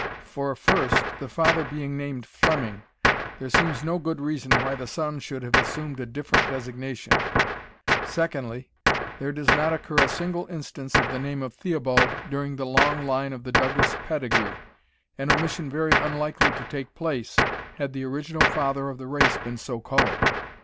For, first, the father being named Fleming, there seems no good reason why the son should have assumed a different designation: secondly, there does not occur a single instance of the name of Theobald during the long line of the Douglas pedigree, an omission very unlikely to take place had the original father of the race been so called.